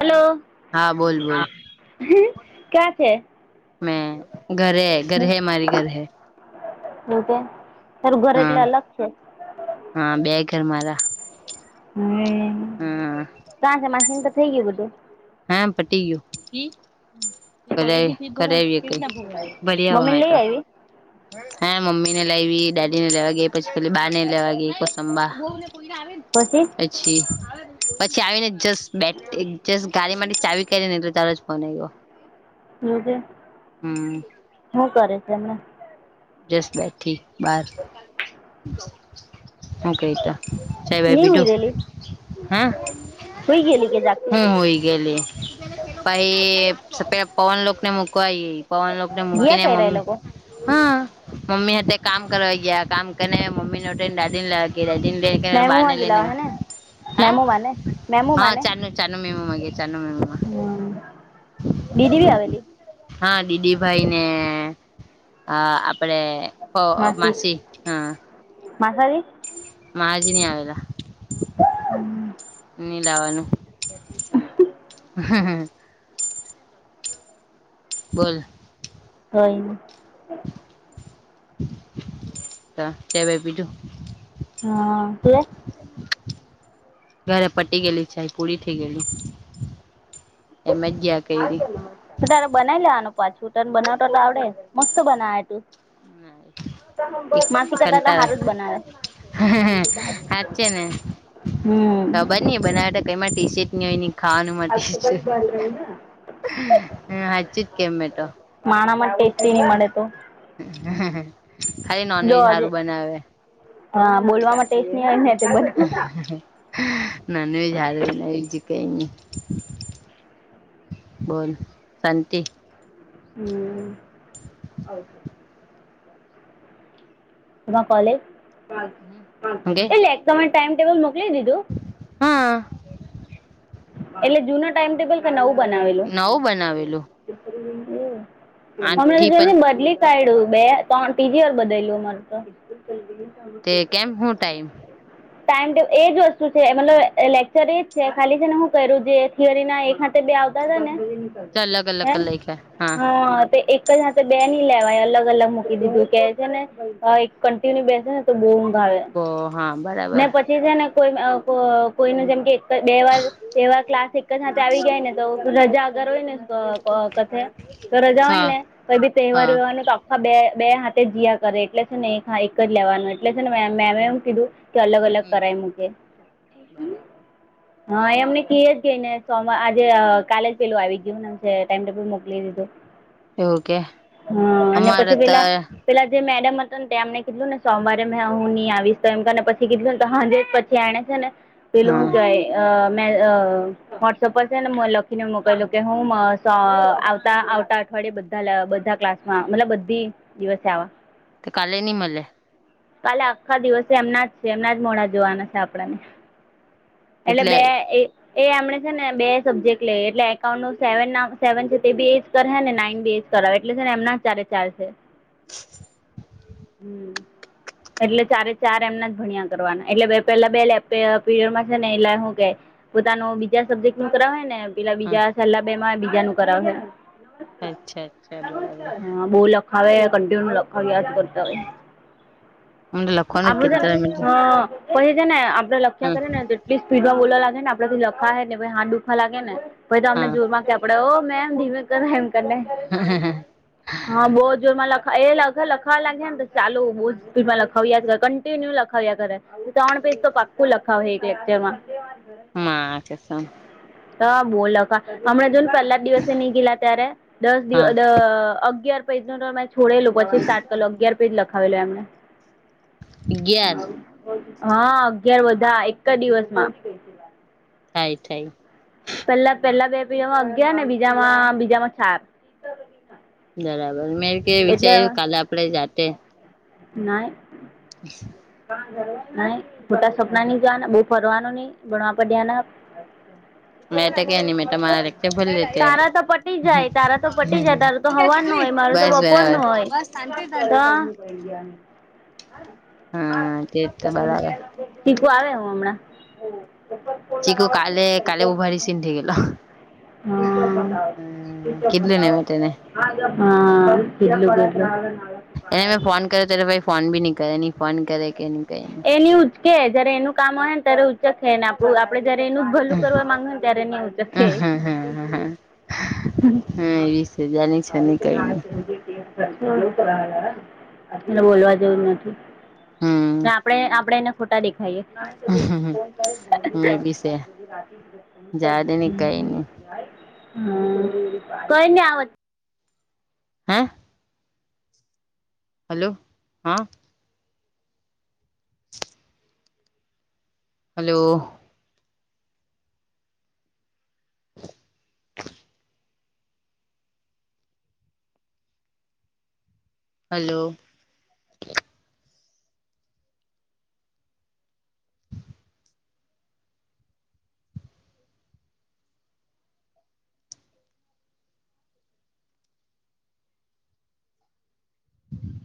Hello હા બોલ બોલ હા ક્યા છે મેં ઘર હૈ ઘર હૈ મારી ઘર હૈ એવું છે તારું ઘર એટલે હા અલગ છે હા બે ઘર મારા હંમ હા કા સે માસીને તો થઇ ગયું બધું હા પટી ગયું હમ કર આય કરી આયવી બરિયા મમ્મી લઈ વહાટા આવી હા મમ્મી ને લાવી દાદી ને લેવા ગયી પછી પેલી બા ને લેવા એ કોસંબા પછી એ છી પછી આવીને જસ બે જસ તારી માટે ચાવી કરી ને તો તારો જ ફોન આવ્યો એવું કે હમ શું કરે છે એમને જસ બેઠી બાર હું કેય તો ચાઇ બાઈ ની હુઈ પીધું રેલી હા હુઈ ગયેલી કે જાગતી હું હતી હોય ગેલી પહી સપેલા પવન લોક ને મુકવા ગઈ પવનલોક ને ગયા મૂકીને કયરા એ મમ્મ લોકો હા મમ્મી હાથે કામ કરવા ગયા કામ કરીને મમ્મી ને દાડી ને લેવા [unintelligible] બા ને મેમુમાં લઈને ગેલા હે ને હા મેમુ માને મેમુ હા માને ચાન [unintelligible] હમ દીદી બી આવેલી હા દીદી ભાઈ ને અ આપડે હ માસી હા માસી આવેલી માજ ની આવેલા ની લાવાનું [inaudible] [inaudible] બોલ કઇની ત ચાઇ બાઈ પીધું હા તુંએ ઘરે પટી ગયેલી ચાઇ પૂરી થઈ ગયેલી એમે જ ગયા કયરી તો તારે બનાવી લેવાનું પાછું તન બનાવતા તો આવડે મસ્ત બનાવે તું માસી કરતા તો હારું જ બનાવે હ હ હ હાચેને. હમ્મ. ખબર નહી બનાવે માટે કંઈમાં ટી શર્ટની હોય. ખનું માટે હમ હાચુ જ કવ મેં તો. માણામાં ટેસ્ટી નહી મળે તો. ખાલી જો નોનવેજ હજે હારું બનાવે. હા બોલવામાં ટેસ્ટ નહીં હોય ને બ. નોનવેજ હારુ બનાવે બીજું કઈ ની. બોલ શાંતિ. હમ. [unintelligible] એક તો મેં હું કે ટાઈમટેબલ મોકલી દીધું. હા. એટલે જૂના ટાઈમ ટેબલ કે નવું બનાવેલું. નવું બનાવેલું આઠ હમણે તો થી પં જોને બદલી કાઢ્યું બે ત્રણ ત્રીજી વાર બદલું અમારુ તો. તે કેમ હું ટાઈમ [unintelligible] ટાઈમ ટે એજ વસ્તુ છે મતલબ લેક્ચર એજ છે ખાલી. ને હું કરું જે થિયરી ના એ હાતે બે આવતા હતા ને. ચાલ અલગ અલગ હ કર લયખા હા તે એક. તે બે નહી લેવાય અલગ અલગ મૂકી દીધું કે છે ને એક કન્ટિન્યુ બેસે ને. તો બહુ ઊંઘ આવે બો હા ને બરાબર પછી. જે છે ને કોઈ કો કોઈનું જેમ કે એક બે વાર. બે ક્લાસ એક જ સાથે આવી ગાય ને તો રજા અગર હોય ને તો. ક તો રજા હોય હા ને તો બી તહેવાર હા વહેવાર ન તો. બે બે હાથે જયા કરે એટલે છે ને એક એક જ લેવાનું એટલે છે ને મે એમ કીધું. કે અલગ અલગ હમ કરાય મુકે બરાબર હા એ. તમને કઈ જ ગઈને સોમવાર આજે કાલે જ પેલું આવી ગયું ને ટાઈમટેબલ મોકલી દીધું. એવુ કે હા અને અમારે પછી તો. પેલા પેલા જે મેડમ હતો ને એમને કીધલું ને સોમવારે મેં હું નહીં આવીશ તો એમ કરને પછીધું ને તો હા જે. શિયાણે છે ને પેલું હું હા કઈ મે. વોટ્સઅપ પર છે ને મને લખીને મોકલલું કે હું આવતા આવતા અઠવાડિયે બધા બધા ક્લાસ. હા મતલબ બધી દિવસ આવવા. તો કાલે ની મલે. કાલે આખા દિવસે એમના જ છે એમના જ મોઢા જોવાના છે આપડાને એટલે બે. એ એમણે છે ને બે સબ્જેક્ટ લઈએ એટલે એકાઉન્ટ નું સેવ સેવન છે તે બી એજ કરે ને નાઈન બી એ. રા એટલે છે ને એમના ચારે ચાર છે. હમ. એટલે ચારે ચાર એમના જ ભણ્યા કરવાના એટલે બે પેલા બે પીરયડમાં છે ને એલે શું કે. પોતાનું બીજા સબ્જેક્ટ નું કરાવે ને પેલા હ બીજા સેલા બે માં બીજા નું કરાવે. અચ્છા અચ્છા બરાબર. હવે કન્ટિન્યૂ લખાવ્યા જ કરતા હોય. મને લખવાનું જ આપણું છે ને કંટાળો હમ. પછી છે ને આપણે લખ્યા આવે કરીએ ને એટલી સ્પીડ માં બોલવા લાગે ને આપડેથી લખાય જ નહી ને પછી હાથ દુખવા લાગે ને. પહિ તો અમને જોર માં કે આપડે હો મેમ ધીમે કર એમ કરીને. હ હ. હા બઉ જોરમાં લખ એ લખ લખાવા લાગ્યા ને ચાલુ બઉ સ્પીડ માં લખાવયા જ કરે કન. ટિન્યુ લખાવ્યા કરે ત્રણ પેજ તો પાક્કું લખાવ એક લેક્ચર માં. મા કસમ. હા બોલકા હમણાં જોન પહેલા જ દિવસે ની ગેલા ત્યારે દસ દિવ હા અગયાર. પેજ નું તોમે છોડેલું પછી સ્ટાર્ટ કરેલું અગિયાર પેજ લખાવેલો એમને. અગિયાર હા અગયાર વધા એક જ દિવસમાં થ થઈ પેલા પેલા બે પીજામાં અગિયાર ને બીજામાં બીજામાં ચાર બરાબર મેં કે વિચાર્યું કાલે આપડે જાતે નાઈ હ. મોટા સપના નહીં જો બહુ ફરવાનું નહીં ભણવા પડ્યાના. મેં તો કે નહી મેં અચ્છા, તમારા લેક્ચર ભરી લેતે તારા તો પટી જાય, તારા તો પટી જાય તારા. તો સવારનું હોય મારું તો બસ બરાબર બોપરનું હોય. હા તે તો બરાબર ચીખુ આવે હું હમણાં, ચીકુ કાલે કાલે બહુ ભારી સીન થઈ ગયેલો [unintelligible] [inaudible] હ હમ બવ ત કીધલું ને બતાવો. મેં તેને હા. એને મેં ફોન કર્યો ત ભાઈ ફોન બી ન કરે ફોન કરે કે ન કરે. એની ઉચ્ચ જય એનું કામ હોય ને ત્યારે ઉચ્ચકેના. તો આપડે જયારે એનું ભલું કરવા માંગે ને ત્યારે હા હા હા એવું. હા વીસ હજારની છે ને હ કઈ અરે નઈ તો ખ મુજકે, ને બોલવા દેવું નથી. હું. અને આપણે આપડે એને ખોટા દેખાઈએ. ના તો ફોન રાખે. એ બી છે જાડે ને કઈ નહી કોઈને આવત. હા. હાલો હા. હાલો. હાલો. હું.